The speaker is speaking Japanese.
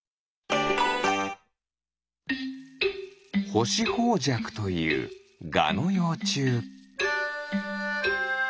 ホシホウジャクというガのようちゅう。